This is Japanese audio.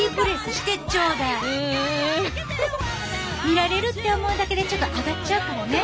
見られるって思うだけでちょっと上がっちゃうからね。